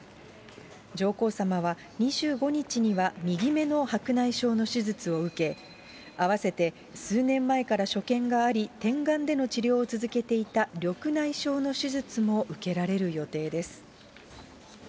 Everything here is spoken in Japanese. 上皇さまは、２５日には右目の白内障の手術を受けられ、合わせて数年前から所見があり、点眼での治療を続けていた緑内障の手術も受けられる予定です。